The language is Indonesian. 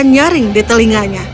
dia menggaring di telinganya